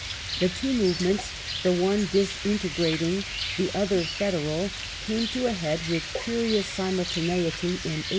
The two movements, the one disintegrating, the other federal, came to a head with curious simultaneity in 1864.